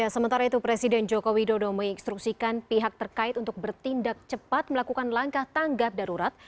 sementara itu presiden joko widodo menginstruksikan pihak terkait untuk bertindak cepat melakukan langkah tanggap darurat